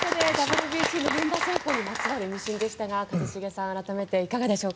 ＷＢＣの現場選考にまつわる話でしたが一茂さん、改めていかがでしょうか。